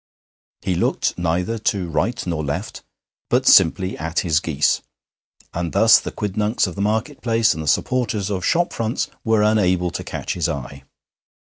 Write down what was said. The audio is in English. He looked neither to right nor left, but simply at his geese, and thus the quidnuncs of the market place and the supporters of shop fronts were unable to catch his eye.